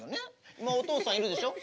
今お父さんいるでしょ？